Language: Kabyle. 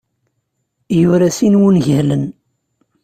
Yura sin wungalen.